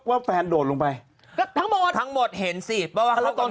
ว่าแฟนโดดลงไปก็ทั้งหมดทั้งหมดเห็นสิเพราะว่าแล้วตอน